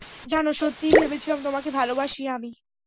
জানো, সত্যিই ভেবেছিলাম তোমাকে ভালোবাসি আমি!